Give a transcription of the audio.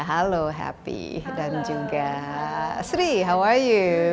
halo happy dan juga sri apa kabar